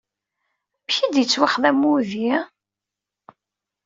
Amek ay d-yettwaxdam wudi?